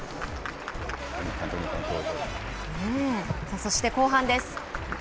そして、後半です。